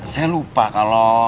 saya lupa kalau